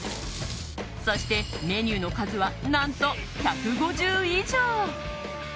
そしてメニューの数は何と１５０以上。